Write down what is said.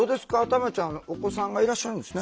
たまちゃんお子さんがいらっしゃるんですね。